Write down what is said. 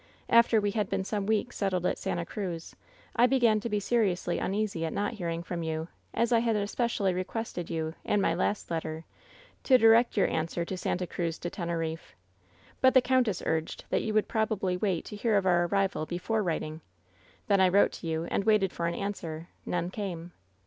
After we had been some weeks settled at Santa Cruz, I began to be seriously un easy at not hearing from you, as I had especially re quested you, in my last letter, to direct your answer to Santa Cruz de Teneriffe. But the countess urged that you would probably wait to hear of our arrival before writing. Then I wrote to you and waited for an an swer; none came.